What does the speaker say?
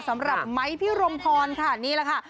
สำหรับไม้พี่รมพรค่ะนี่แหละค่ะ